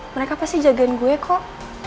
mereka pasti jagain gue kok